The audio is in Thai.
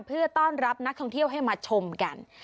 เพื่อต้อนรับนักท่องเที่ยวให้มาชมกัน